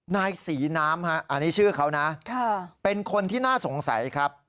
นายศรีน้ำอันนี้ชื่อเขานะเป็นคนที่น่าสงสัยครับ